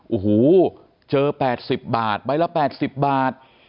โอ้โหเจอ๘๐บาทใบละ๘๐บาท